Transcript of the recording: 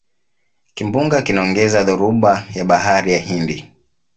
kimbunga kinaongeza dhoruba ya bahari ya hindi